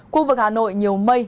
khu vực hà nội nhiều mây